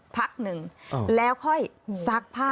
พักหนึ่งแล้วค่อยซักผ้า